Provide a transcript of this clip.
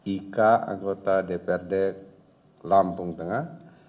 ika anggota dprd lampung tengah